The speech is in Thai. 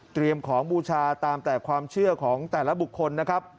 ของบูชาตามแต่ความเชื่อของแต่ละบุคคลนะครับ